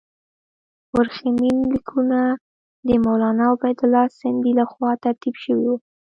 ورېښمین لیکونه د مولنا عبیدالله سندي له خوا ترتیب شوي وو.